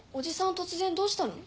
突然どうしたの？